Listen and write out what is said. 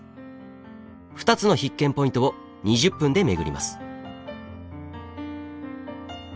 ２つの必見ポイントを２０分で巡ります。